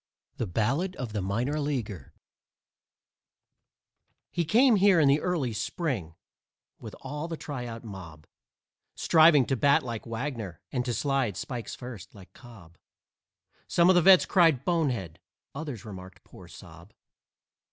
THE BALLAD OF THE MINOR LEAGUER He came here in the early Spring with all the tryout mob, Striving to bat like Wagner and to slide (spikes first) like Cobb. Some of the vets cried, "Bonehead!" Others remarked, "Poor zob!"